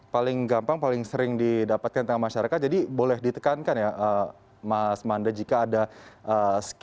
paling gampang paling sering didapatkan tengah masyarakat jadi boleh ditekankan ya mas manda jika ada skema